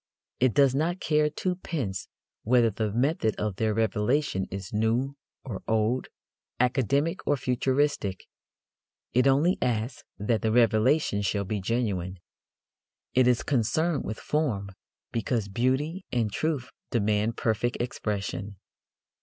It does not care twopence whether the method of their revelation is new or old, academic or futuristic. It only asks that the revelation shall be genuine. It is concerned with form, because beauty and truth demand perfect expression.